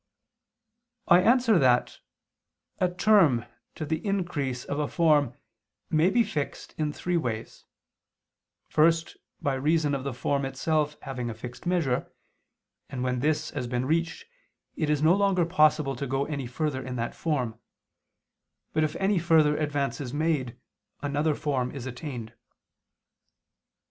I answer that, A term to the increase of a form may be fixed in three ways: first by reason of the form itself having a fixed measure, and when this has been reached it is no longer possible to go any further in that form, but if any further advance is made, another form is attained.